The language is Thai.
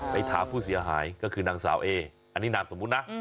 ไปถามผู้เสียหายก็คือนางสาวเออันนี้นามสมมุตินะ